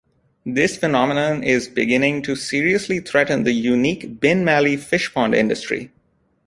This phenomenon is beginning to seriously threaten the unique Binmaley fishpond industry.